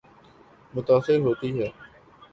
متاثر ہوتی ہے۔